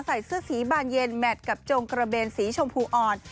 ใส่เสื้อสีบานเย็นแมทกับจงกระเบนสีชมพูอ่อน